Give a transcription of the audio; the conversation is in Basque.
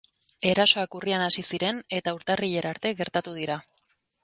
Erasoak urrian hasi ziren eta urtarrilera arte gertatu dira.